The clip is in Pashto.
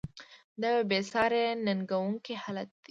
دا یوه بې ساري ننګونکی حالت دی.